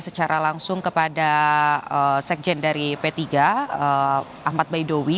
secara langsung kepada sekjen dari p tiga ahmad baidowi